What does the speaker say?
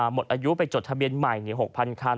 หมดอายุไปจดทะเบียนใหม่๖๐๐คัน